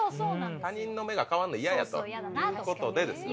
他人の目が変わるの嫌やということでですね。